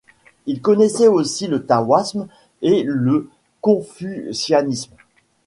Il connaissait aussi le taoïsme et le confucianisme.